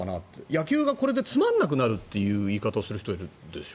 野球がこれでつまらなくなるって言い方をする人もいるんでしょ。